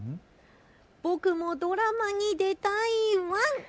僕もドラマに出たいワン！